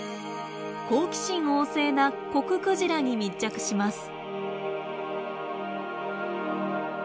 好奇心旺盛なコククジラに密着します。